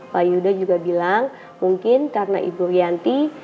pak yuda juga bilang mungkin karena ibu rianti